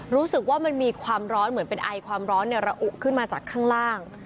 รู้สึกว่ามันมีความร้อนเหมือนเป็นไอความร้อนระอุขึ้นมาจากข้างล่าง